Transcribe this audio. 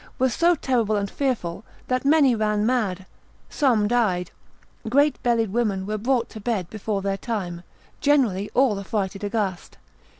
was so terrible and fearful, that many ran mad, some died, great bellied women were brought to bed before their time, generally all affrighted aghast.